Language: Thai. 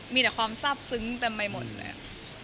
มีแต่ความทราบซึ้งเต็มไปหมดเลย